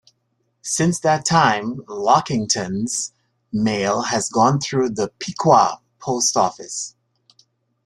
Since that time, Lockington's mail has gone through the Piqua post office.